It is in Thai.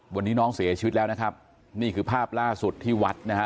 วันนี้น้องเสียชีวิตแล้วนะครับนี่คือภาพล่าสุดที่วัดนะฮะ